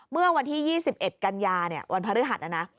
เมื่อวันที่๒๑กันยาวันพฤหัสนะนะ